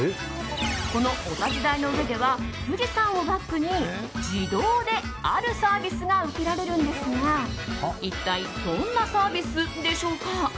このお立ち台の上では富士山をバックに自動で、あるサービスが受けられるんですが一体どんなサービスでしょうか？